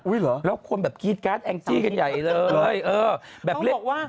อุ้ไหร่กี๊ดการ์ดแอ่งจิกันใหญ่เลยแกบเลี้ยวแล้วคนนะ